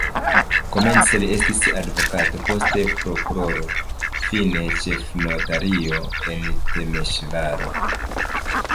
Komence li estis advokato, poste prokuroro, fine ĉefnotario en Temeŝvaro.